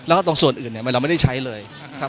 เพราะตอนนั้นเราเป็นการแก้ปัญหาเฉพาะหน้า